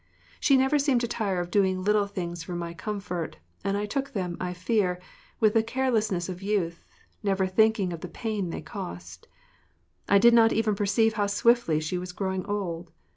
She never seemed to tire of doing little things for my comfort, and I took them, I fear, with the carelessness of youth, never thinking of the pain they cost. I did not even perceive how swiftly she was growing old.